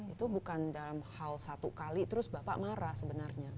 itu bukan dalam hal satu kali terus bapak marah sebenarnya